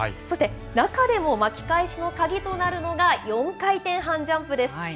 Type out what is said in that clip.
そして、中でも巻き返しの鍵となるのが、４回転半ジャンプです。